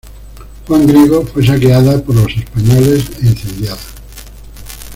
Juan Griego fue saqueada por los españoles e incendiada.